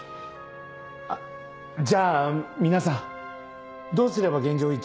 あっじゃあ皆さんどうすれば現状